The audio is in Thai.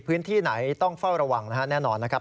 พื้นที่ไหนต้องเฝ้าระวังนะฮะแน่นอนนะครับ